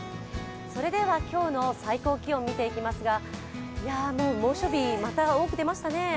それでは今日の最高気温見ていきますが猛暑日、また多く出ましたね。